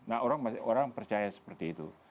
nah orang percaya seperti itu